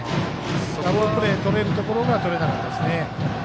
ダブルプレー取れるところがとれなかったですね。